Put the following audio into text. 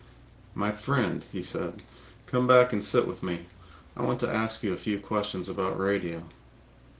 ] "My friend," he said, "come back and sit with me; I want to ask you a few questions about radio."